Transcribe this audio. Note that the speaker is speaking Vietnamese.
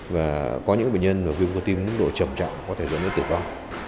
và có những bệnh nhân viêm cơ tim đủ trầm trọng có thể dẫn đến tử vong